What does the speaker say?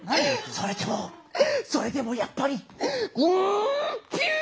それでもそれでもやっぱりううっピューッ！